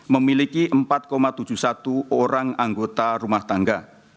memiliki empat tujuh puluh satu orang anggota rumah tangga